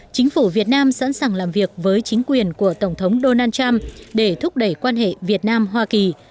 chính phủ việt nam sẵn sàng làm việc với chính quyền của tổng thống donald trump để thúc đẩy quan hệ việt nam hoa kỳ